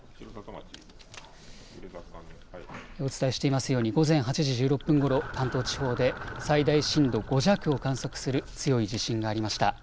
お伝えしていますように午前８時１６分ごろ関東地方で最大震度５弱を観測する強い地震がありました。